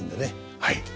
はい。